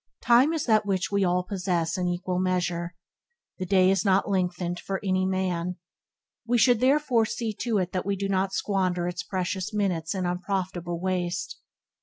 Time is that which we all possess in equal measure. The day is not lengthened for any man. We should therefore see to it that we do not squander its precious minutes in unprofitable waste.